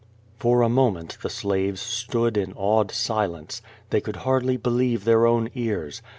For a moment the slaves stood in awed silence. They could hardly believe their own cars.